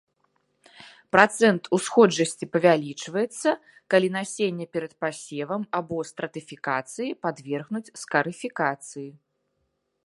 Працэнт усходжасці павялічваецца, калі насенне перад пасевам або стратыфікацыі падвергнуць скарыфікацыі.